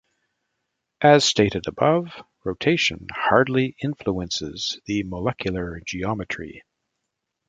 As stated above, rotation hardly influences the molecular geometry.